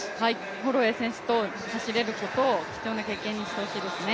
ホロウェイ選手と走れることを貴重な経験にしてほしいですね。